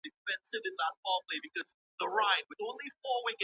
ساینس پوهنځۍ له مشورې پرته نه اعلانیږي.